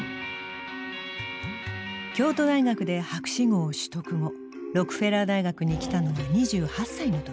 京都大学で博士号を取得後ロックフェラー大学に来たのは２８歳の時。